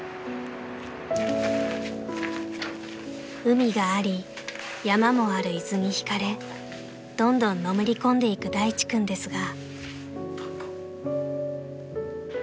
［海があり山もある伊豆に引かれどんどんのめり込んでいく大地君ですが］